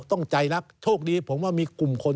ต้องใจรักโชคดีผมว่ามีกลุ่มคน